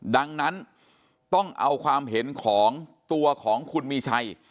ดังนั้นต้องเอาความเห็นของตัวของคุณมีชัย